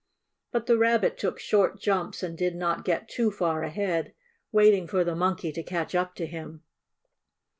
But the Rabbit took short jumps and did not get too far ahead, waiting for the Monkey to catch up to him.